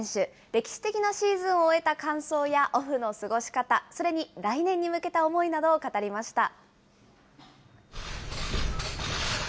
歴史的なシーズンを終えた感想やオフの過ごし方、それに来年に向けた思いなどを語りました。